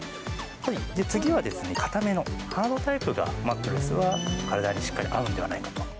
次は硬めの、ハードタイプのマットレスは体にしっかり合うのではないかと。